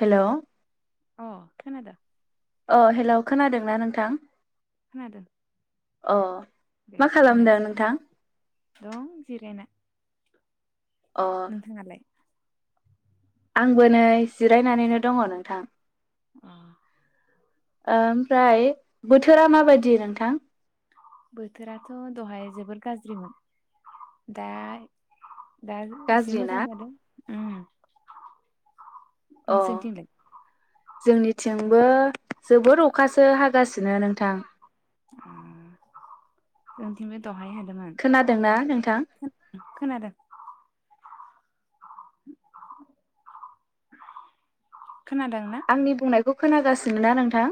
Hello खोनाद अ hello खोनादोंना नोंथां? खोनादों अ दे मा खालामदों बुंनायसै नोंथां दं जिरायना। अ नोंथाङालाय? आंबो नै जिरायनानैनो दङ नोंथां। अ ओमफ्राय बोथोरा माबायदि नोंथां? बोथोराथ' दहाय जोबोर गाज्रिमोन दा दा इसे गाज्रि मोजां ना जादों। अ नोंसोरनि थिंलाय? जोंनिथिंबो जोबोर अखासो हागासिनो नोंथां। उम जोंथिंबोद दहाय हादोंमोन खोनादोंना नोंथां खोनादों खोनादों ना? खौ खोनागासिनो ना नोंथां?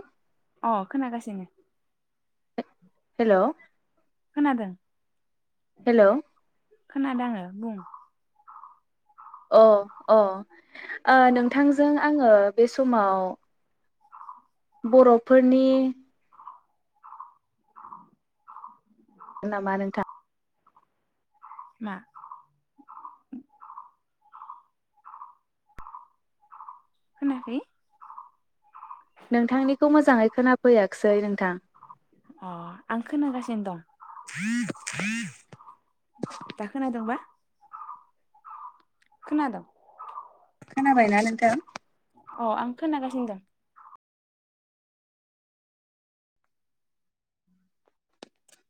अ खोनागासिनो। हेलौ। खोनादों। हेलौ। खोनादोआङो बुं। अ अ ओ नोंथांजों आङो बे समाव बरफोरनि नामा नोंथां? मा? [inaudible] खोनायाखै? नोंथांनिखौ मोजाङै खोनाफैयाखसै नोंथां। अ आं खोनागासिनो दं। [inaudible] दा खोनादोंंबा? खोनादं? खोनाबायना नोंथां? अ आं खोनागासिनो दं।